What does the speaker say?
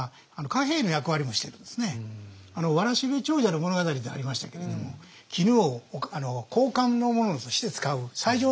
「わらしべ長者」の物語でありましたけれども絹を交換のものとして使う最上のものなんですね。